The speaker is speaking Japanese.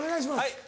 はい。